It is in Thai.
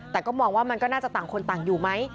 แต่ก็มองว่ามันก็น่าจะต่างคนต่างอยู่ไหม